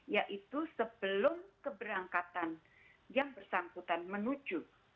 yaitu sebelum keberangkatan yang bersangkutan menuju